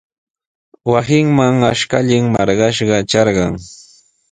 Wasinman ashkallan marqashqa trarqan.